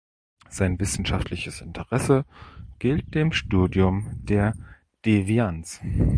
Sein wissenschaftliches Interesse gilt dem Studium der Devianz.